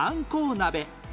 鍋